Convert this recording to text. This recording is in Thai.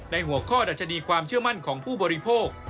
หัวข้อดัชนีความเชื่อมั่นของผู้บริโภค